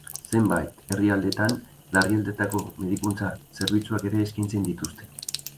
Zenbait herrialdetan larrialdietako medikuntza zerbitzuak ere eskaintzen dituzte.